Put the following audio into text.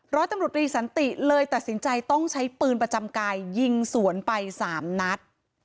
ร้อยตำรวจรีสันติเลยตัดสินใจต้องใช้ปืนประจำกายยิงสวนไปสามนัด